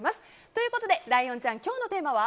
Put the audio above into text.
ということでライオンちゃん今日のテーマは？